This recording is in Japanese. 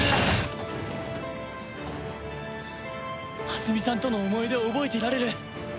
真澄さんとの思い出を覚えていられる。